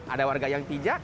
ada warga yang bijak